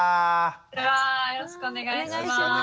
よろしくお願いします。